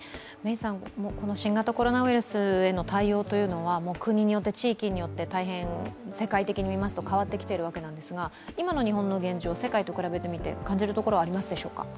新型コロナウイルスへの対応というのは、国によって地域によって大変、世界的に見ますと変わってきているわけなんですが今の日本の現状、世界と比べてみて感じるところはありますか？